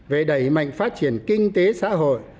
về đẩy mạnh phát triển kinh tế xã hội